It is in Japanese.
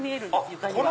床には。